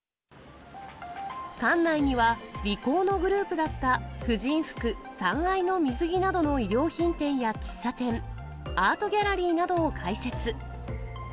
館内にはリコーのグループだった婦人服、三愛の水着などの衣料品店や喫茶店、アートギャラリーなどを開設。